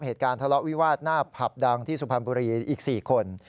เหตุการณ์ทะเลาะวิวาสหน้าผับดังที่สุพรรณบุรีอีก๔คน